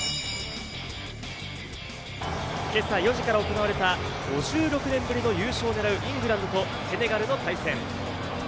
今朝４時から行われた、５６年ぶりの優勝を狙うイングランドとセネガルの対戦。